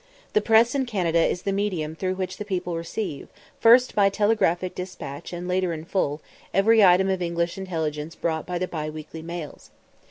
The press in Canada is the medium through which the people receive, first by telegraphic despatch, and later in full, every item of English intelligence brought by the bi weekly mails.